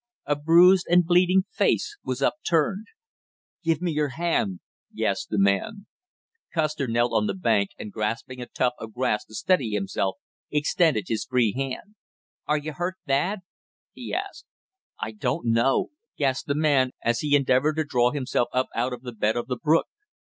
A bruised and bleeding face was upturned. "Give me your hand " gasped the man. Custer knelt on the bank and grasping a tuft of grass to steady himself extended his free hand. "Are you hurt bad?" he asked. "I don't know " gasped the man, as he endeavored to draw himself up out of the bed of the brook.